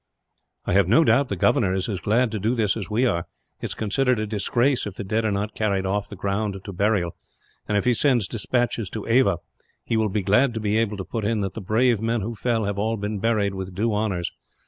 "I have no doubt the governor is as glad to do this as we are. It is considered a disgrace, if the dead are not carried off the ground to burial; and if he sends despatches to Ava, he will be glad to be able to put in that the brave men who fell have all been buried, with due honours.